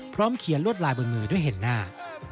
พร้อมเคลียร์ลวดลายบนมือด้วยเห็นหน้า